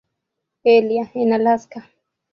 Elia, en Alaska.